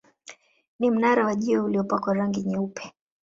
Ni mnara wa jiwe uliopakwa rangi nyeupe.